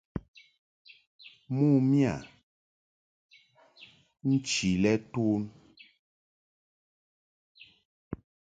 Mo miya nchi lɛ ton.